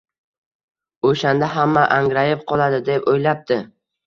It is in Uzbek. Oʻshanda hamma angrayib qoladi”, – deb oʻylabdi